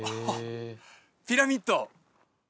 ピラミッド？